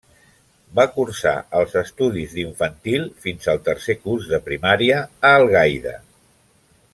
Va cursar els estudis d'infantil fins al tercer curs de primària a Algaida.